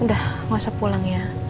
udah enggak usah pulang ya